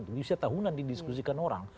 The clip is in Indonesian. bisa tahunan didiskusikan orang